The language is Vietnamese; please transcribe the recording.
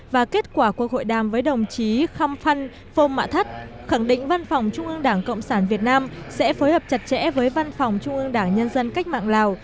và kết quả cuộc hội đàm với đồng chí khăm phăn phông mạ thất khẳng định văn phòng trung ương đảng cộng sản việt nam sẽ phối hợp chặt chẽ với văn phòng trung ương đảng nhân dân cách mạng lào